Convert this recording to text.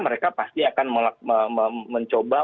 mereka pasti akan mencoba